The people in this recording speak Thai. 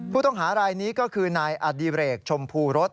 ผู้ต้องหารายนี้ก็คือนายอดิเรกชมพูรส